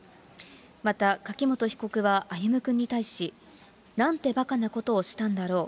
また柿本被告は歩夢くんに対し、なんてばかなことをしたんだろう。